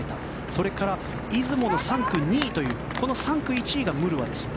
それから出雲の３区、２位という１位がムルワでした。